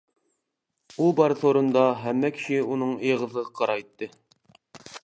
ئۇ بار سورۇندا ھەممە كىشى ئۇنىڭ ئېغىزىغا قارايتتى.